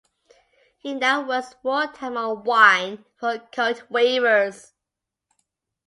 He now works full-time on Wine for CodeWeavers.